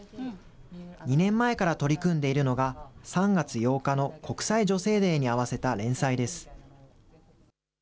２年前から取り組んでいるのが、３月８日の国際女性デーに合わせた連載です。